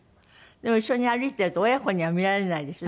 でも一緒に歩いてると親子には見られないでしょ？